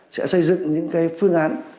sẽ xây dựng những cái phương án